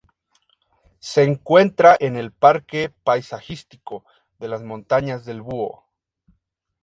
Se encuentra en el Parque Paisajístico de las Montañas del Búho.